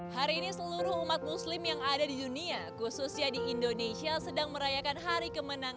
hari ini seluruh umat muslim yang ada di dunia khususnya di indonesia sedang merayakan hari kemenangan